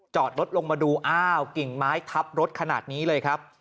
จอดรถลงมาดูอ้าวกิ่งไม้ทับรถขนาดนี้เลยครับ